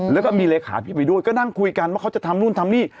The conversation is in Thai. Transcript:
แล้วก็มีเลขาพี่ไปด้วยก็นั่งคุยกันว่าเขาจะทำนู่นทำนี่